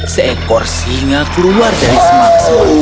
seekor singa keluar dari semak